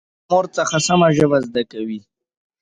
هر انسان له مور څخه سمه ژبه زده کوي